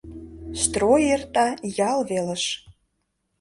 Строй эрта ял велыш.